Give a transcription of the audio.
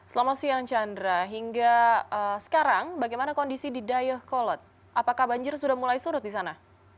selamat siang chandra hingga sekarang bagaimana kondisi di dayakolot apakah banjir sudah mulai surut di sana